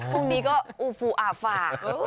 พรุ่งนี้ก็อูฟูอาฟา